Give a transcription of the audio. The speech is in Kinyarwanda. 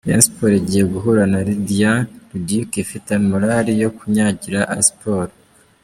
Rayon Sports igiye guhura na Lydia Ludic ifite morale yo kunyagira Aspor.